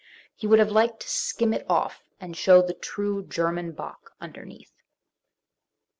He would have liked to skim it off and show the true German Bach underneath.